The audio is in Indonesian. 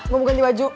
gue mau ganti baju